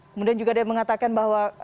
kemudian juga ada yang mengatakan bahwa